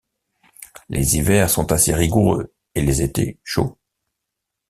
Les hivers sont assez rigoureux et les étés chauds.